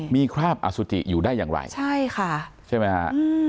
มีคราบอสุจิอยู่ได้อย่างไรใช่ค่ะใช่ไหมฮะ